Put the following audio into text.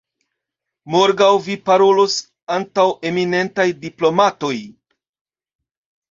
Morgaŭ Vi parolos antaŭ eminentaj diplomatoj!